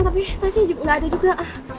tapi tasnya nggak ada juga